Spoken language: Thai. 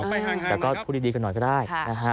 มันก็พูดดีกันหน่อยก็ได้